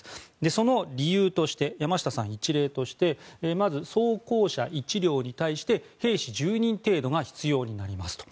その理由として山下さん、一例としてまず、装甲車１両に対して兵士１０人程度が必要になりますと。